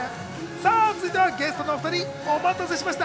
続いてはゲストのお２人、お待たせしました。